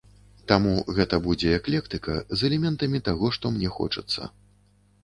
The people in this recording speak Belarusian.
Таму гэта будзе эклектыка з элементамі таго, што мне хочацца.